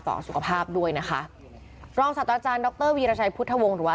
ต่อสุขภาพด้วยนะคะรองศาสตราจารย์ดรวีรชัยพุทธวงศ์หรือว่า